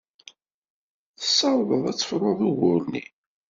Tessawḍed ad tefrud ugur-nni?